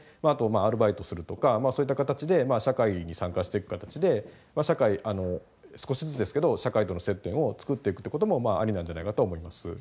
あとアルバイトするとかそういった形で社会に参加していく形で少しずつですけど社会との接点を作っていくってこともありなんじゃないかとは思います。